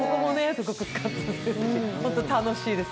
すごく楽しいです。